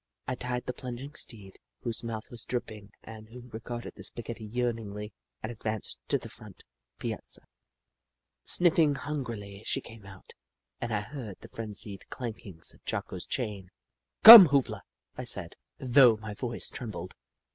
I tied the plunging steed, whose mouth was dripping and who regarded the spaghetti yearningly, and advanced to the front piazza. Sniffing hungrily, she came out, and I heard the frenzied clankings of Jocko's chain. " Come, Hoop La," I said, though my voice trembled.